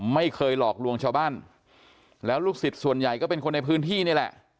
ไม่เคยหลอกลวงชาวบ้านแล้วลูกศิษย์ส่วนใหญ่ก็เป็นคนในพื้นที่นี่แหละ